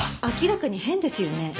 「明らかに変ですよね」